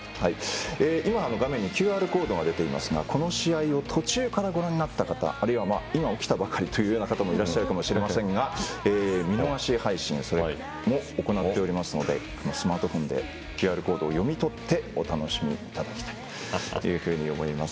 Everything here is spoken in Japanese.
今、画面にＱＲコードが出ていますがこの試合を途中からご覧になった方あるいは、今起きたばかりという方もいらっしゃるかもしれませんが見逃し配信それも行っていますのでスマートフォンでＱＲコードを読み取ってお楽しみいただきたいと思います。